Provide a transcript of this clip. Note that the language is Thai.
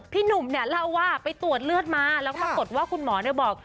พี่หนุ่มเล่าว่าไปตรวจเลือดมาแล้วก็มากดว่าคุณหมอบอก